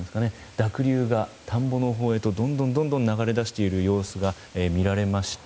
濁流が、田んぼのほうへとどんどん流れ出している様子が見られました。